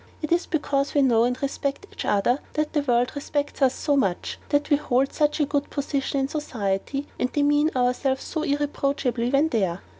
It is because we know and respect each other, that the world respects us so much; that we hold such a good position in society, and demean ourselves so irreproachably when there.